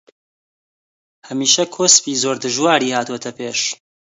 هەمیشە کۆسپی زۆر دژواری هاتۆتە پێش